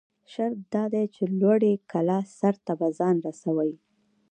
شرط دا دى، چې لوړې کلا سر ته به ځان رسوٸ.